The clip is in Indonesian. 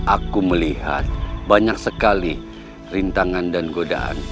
aku sudah tidak banyak kedamaian sendiri